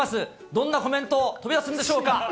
どんなコメント、飛び出すんでしょうか。